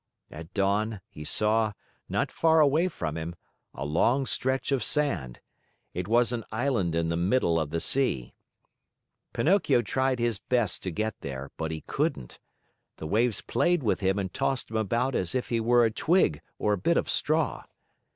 At dawn, he saw, not far away from him, a long stretch of sand. It was an island in the middle of the sea. Pinocchio tried his best to get there, but he couldn't. The waves played with him and tossed him about as if he were a twig or a bit of straw.